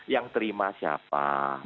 yang terima siapa